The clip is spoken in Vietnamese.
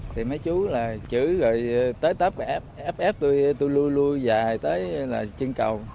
thì mấy chú là chửi rồi tới tớp ép ép ép tôi tôi lưu lưu dài tới là trên cầu